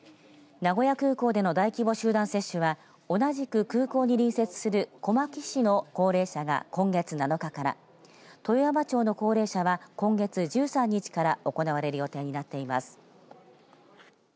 名古屋空港での大規模集団接種は同じく空港に隣接する小牧市の高齢者が今月７日から豊山町の高齢者は今月１３日から行われる予定になっています。